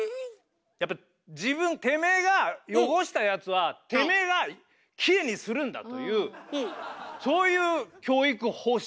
やっぱ自分てめえが汚したやつはてめえがきれいにするんだというフフフフッ。